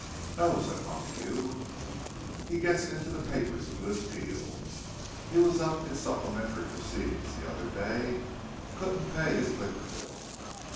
"No," said Montague. "He gets into the papers a good deal. He was up in supplementary proceedings the other day—couldn't pay his liquor bill."